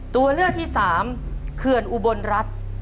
ตัวเลือกที่สามเขื่อนอุบลรัฐ